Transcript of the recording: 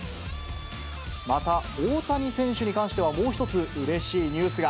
また、大谷選手に関してはもう一つ、うれしいニュースが。